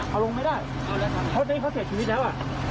เอาลงไม่ได้เพราะเสียชีวิตแล้ว